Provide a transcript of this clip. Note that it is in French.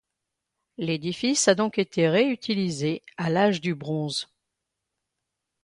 L'édifice a donc été réutilisé à l'Age du bronze.